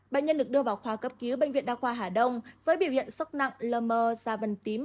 bệnh nhân được đưa vào khoa cấp cứu bệnh viện đa khoa hà đông với biểu hiện sốc nặng lơ mơ da vần tím